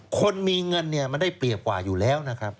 คนมีเงินเนี่ยมันได้เปรียบกว่าอยู่แล้วนะครับ